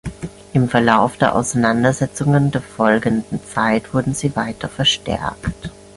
Im Verlauf der Auseinandersetzungen der folgenden Zeit wurden sie weiter verstärkt.